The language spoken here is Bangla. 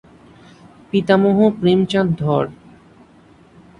পিতামহ প্রেমচাঁদ ধর।